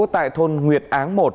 tại thôn nguyệt áng một